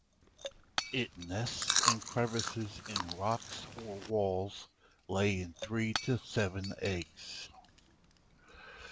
It nests in crevices in rocks or walls, laying three to seven eggs.